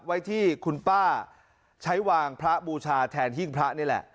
ไว้ที่คุณป้าใช้วางพระบูชาแทนหิ้งพระนี่แหละ